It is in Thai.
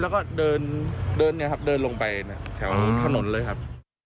แล้วก็เดินลงไปแถวถนนเลยครับ